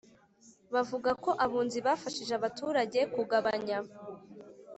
bavuga ko Abunzi bafashije abaturage kugabanya